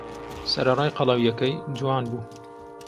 سەرەڕای قەڵەوییەکەی، جوان بوو.